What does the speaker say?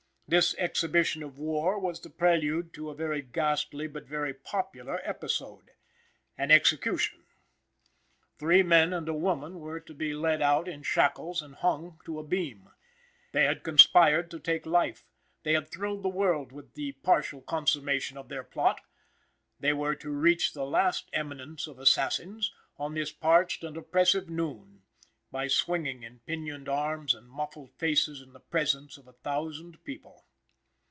This exhibition of war was the prelude to a very ghastly but very popular episode an execution. Three men and a woman were to be led out in shackles and hung to a beam. They had conspired to take life; they had thrilled the world with the partial consummation of their plot; they were to reach the last eminence of assassins, on this parched and oppressive noon, by swinging in pinioned arms and muffled faces in the presence of a thousand people.